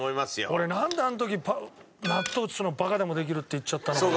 俺なんであの時「納豆移すのバカでもできる」って言っちゃったのかな。